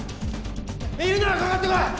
いるならかかってこい！